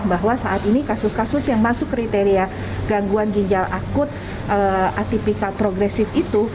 bahwa saat ini kasus kasus yang masuk kriteria gangguan ginjal akut atipikal progresif itu